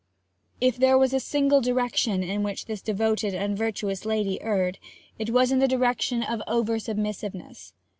If there was a single direction in which this devoted and virtuous lady erred, it was in the direction of over submissiveness.